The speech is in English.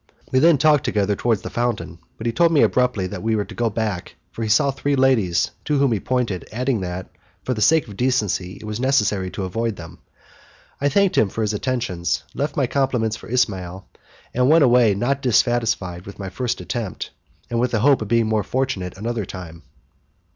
We then walked together towards the fountain, but he told me abruptly that we were to go back, as he saw three ladies to whom he pointed, adding that, for the sake of decency, it was necessary to avoid them. I thanked him for his attentions, left my compliments for Ismail, and went away not dissatisfied with my first attempt, and with the hope of being more fortunate another time.